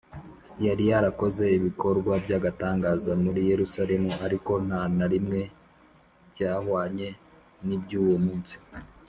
yari yarakoze ibikorwa by’agatangaza muri yerusalemu, ariko nta na rimwe byahwanye n’iby’uwo munsi